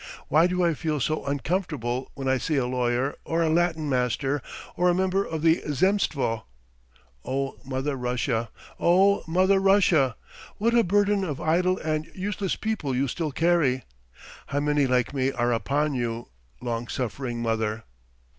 Why do I feel so uncomfortable when I see a lawyer or a Latin master or a member of the Zemstvo? O Mother Russia! O Mother Russia! What a burden of idle and useless people you still carry! How many like me are upon you, long suffering Mother!"